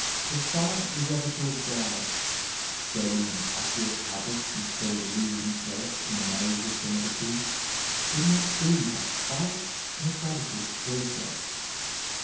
If science was ever to acquire " steady and accurate habits instead of losing itself in a maze of phanti^es, it must be by quiet methodical research."